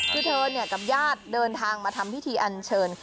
คือเธอกับญาติเดินทางมาทำพิธีอันเชิญ